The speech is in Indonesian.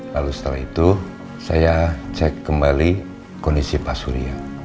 lalu setelah itu saya cek kembali kondisi pak surya